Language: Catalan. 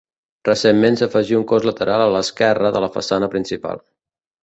Recentment s'afegí un cos lateral a l'esquerra de la façana principal.